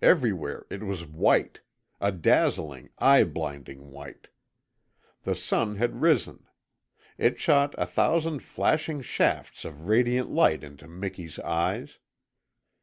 Everywhere it was white a dazzling, eye blinding white. The sun had risen. It shot a thousand flashing shafts of radiant light into Miki's eyes.